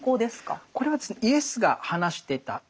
これはですねイエスが話してたアラム語。